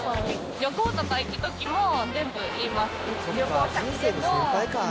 旅行とか行くときも、全部言います。